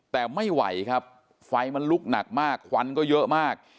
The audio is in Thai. แต่ไม่ไหวครับไฟมันลุกหนักมากควันก็เยอะมาก